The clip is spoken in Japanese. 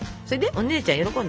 お姉ちゃん喜んだ？